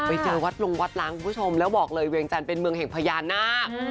ไปเจอวัดลงวัดล้างคุณผู้ชมแล้วบอกเลยเวียงจันทร์เป็นเมืองแห่งพญานาค